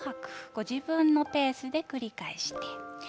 ご自分のペースで繰り返して。